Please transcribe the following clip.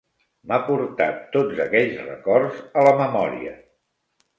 M'ha portat tots aquells records a la memòria.